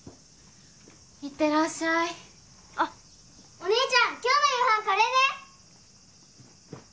お姉ちゃん今日の夕飯カレーね！